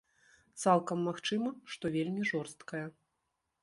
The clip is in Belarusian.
Цалкам магчыма, што вельмі жорсткая.